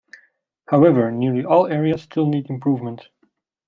However, nearly all areas still need improvement.